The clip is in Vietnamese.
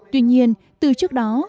tuy nhiên từ trước đó